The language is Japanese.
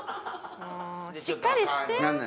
もうしっかりして！